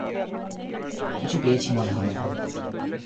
কিছু পেয়েছি মনেহয়।